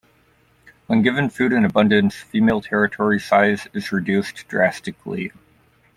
When given food in abundance, female territory size is reduced drastically.